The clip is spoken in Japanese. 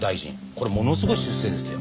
これものすごい出世ですよ。